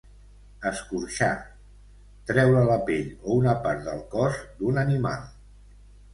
escorxar: treure la pell o una part del cos d'un animal